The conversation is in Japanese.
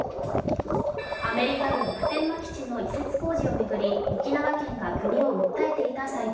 アメリカ軍普天間基地の移設工事を巡り、沖縄県が国を訴えていた裁判。